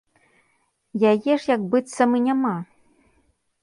Яе ж як быццам і няма!